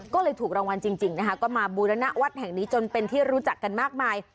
ก็เลยถูกรางวัลจริงนะคะก็มาบูรณวัดแห่งนี้จนเป็นที่รู้จักกันมากมาย